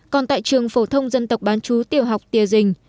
còn tại trường phổ thông dân tộc bán chú tiểu học tìa dình